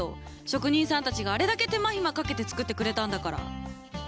職人さんたちがあれだけ手間暇かけて作ってくれたんだから。